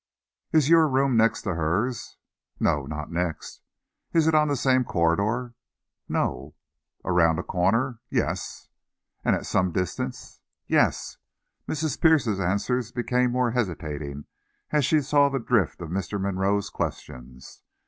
"Is your room next to hers?" "No, not next." "Is it on the same corridor?" "No." "Around a corner?" "Yes." "And at some distance?" "Yes." Mrs. Pierce's answers became more hesitating as she saw the drift of Mr. Monroe's questions.